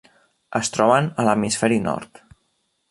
Es troben a l'hemisferi nord.